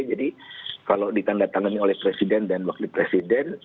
jadi kalau ditanda tangan oleh presiden dan wakil presiden